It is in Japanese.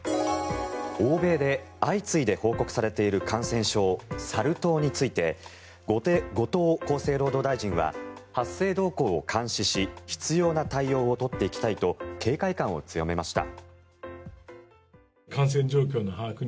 欧米で相次いで報告されている感染症、サル痘について後藤厚生労働大臣は発生動向を監視し必要な対応を取っていきたいと警戒感を強めました。